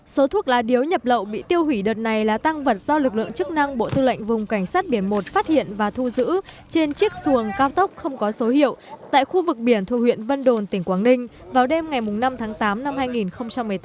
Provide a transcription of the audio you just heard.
số thuốc lá điếu nhập lậu bị tiêu hủy đợt này là tăng vật do lực lượng chức năng bộ tư lệnh vùng cảnh sát biển một phát hiện và thu giữ trên chiếc xuồng cao tốc không có số hiệu tại khu vực biển thuộc huyện vân đồn tỉnh quảng ninh